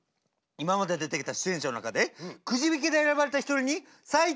今まで出てきた出演者の中でくじ引きで選ばれた１人に再登場してもらいます。